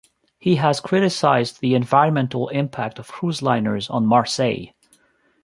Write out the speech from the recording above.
He has criticised the environmental impact of cruise liners on Marseille.